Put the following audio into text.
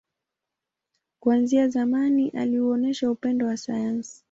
Kuanzia zamani, alionyesha upendo wa sayansi.